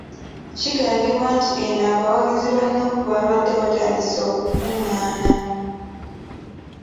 Kigambibwa nti eno abawagizi ba Nuupu babadde baatandise okukung'ana.